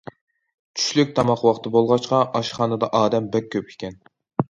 چۈشلۈك تاماق ۋاقتى بولغاچقا، ئاشخانىدا ئادەم بەك كۆپ ئىكەن.